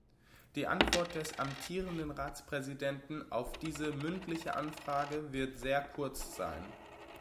Die Antwort des amtierenden Ratspräsidenten auf diese mündliche Anfrage wird sehr kurz sein.